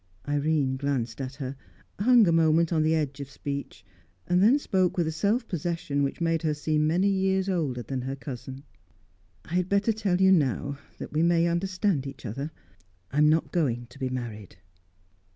Irene glanced at her, hung a moment on the edge of speech, then spoke with a self possession which made her seem many years older than her cousin. "I had better tell you now, that we may understand each other. I am not going to be married."